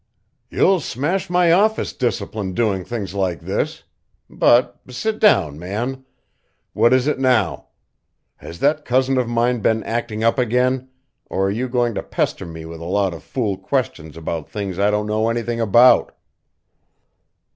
"You'll smash my office discipline doing things like this. But, sit down, man! What is it now? Has that cousin of mine been acting up again, or are you going to pester me with a lot of fool questions about things I don't know anything about?"